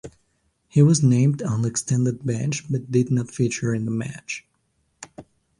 He was named on the extended bench but did not feature in the match.